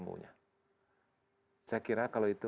saya kira kalau itu